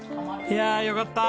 いやよかった。